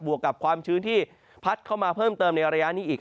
วกกับความชื้นที่พัดเข้ามาเพิ่มเติมในระยะนี้อีก